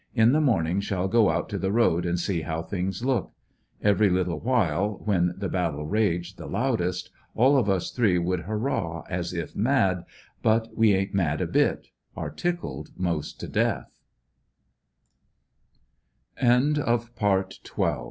In the morning shall go out to the road and see how things look. Every little while when the battle raged the loudest, all of us three would hurrah as if mad, but we ain't mad a bit ; are